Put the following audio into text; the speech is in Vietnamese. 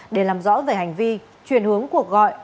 để làm rõ về hành vi chuyển hướng cuộc gọi